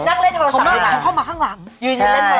นักเล่นมอเตอร์ศัพท์อยู่ด้านหลังเข้ามาข้างหลังยืนอยู่เล่นมอเตอร์ศัพท์